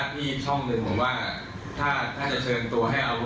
อ้าวไหนบอกว่าสำนึกพี่จะมอบตัวเอง